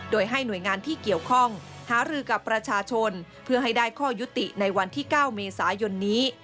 โดยให้หน่วยงานที่เกี่ยวข้องหารือกับประชาชนเพื่อให้ได้ข้อยุติในวันที่๙เมษายนนี้